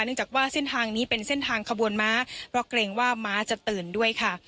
จากว่าเส้นทางนี้เป็นเส้นทางขบวนม้าเพราะเกรงว่าม้าจะตื่นด้วยค่ะ